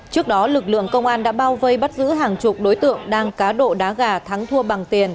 trước đó lực lượng công an đã bao vây bắt giữ hàng chục đối tượng đang cá độ đá gà thắng thua bằng tiền